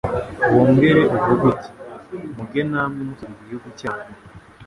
Wongere uvuge uti: “Muge namwe musura Igihugu cyanyu,